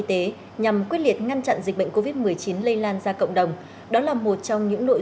tế nhằm quyết liệt ngăn chặn dịch bệnh covid một mươi chín lây lan ra cộng đồng đó là một trong những nội